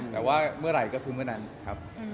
แต่ว่าเมื่อไหร่ก็คือเมื่อนั้นครับ